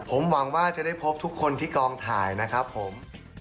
ผมหวังว่าจะได้พบทุกคนที่กองถ่ายนะครับผม